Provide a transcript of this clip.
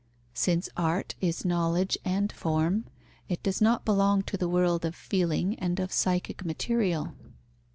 Since art is knowledge and form, it does not belong to the world of feeling and of psychic material.